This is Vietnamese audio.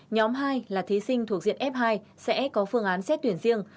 nhóm hai là thí sinh thuộc diện f hai sẽ có phương án xét tuyển riêng